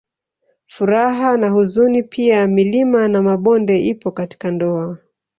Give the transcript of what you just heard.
Furaha na huzuni pia milima na mabonde ipo katika ndoa